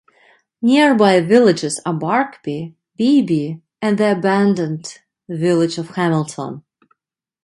Nearby villages are Barkby, Beeby and the abandoned village of Hamilton.